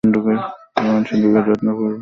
লোহার সিন্দুকে যত্নপূর্বক রাখিয়া দিয়ো।